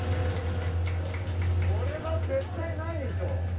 これは絶対ないでしょ。